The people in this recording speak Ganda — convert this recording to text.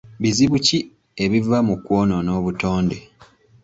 Bizibu ki ebiva mu kwonoona obutonde?